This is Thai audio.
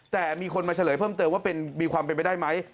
แต่มีคนมาเฉลยเพิ่มเติมว่ามีความเป็นไปได้ไหม